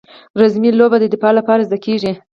رزمي لوبې د دفاع لپاره زده کیږي.